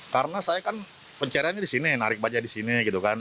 karena saya kan pencariannya di sini narik baja di sini gitu kan